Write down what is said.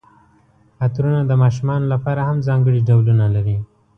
عطرونه د ماشومانو لپاره هم ځانګړي ډولونه لري.